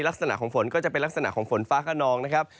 ลักษณะของฝนก็จะเป็นลักษณะของฝนฟ้าขนองนะครับ